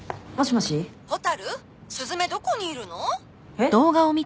えっ？